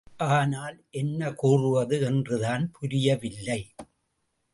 ஆனால், என்ன கூறுவது என்றுதான் புரியவில்லை.